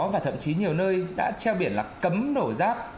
và thậm chí nhiều nơi đã treo biển là cấm đổ rác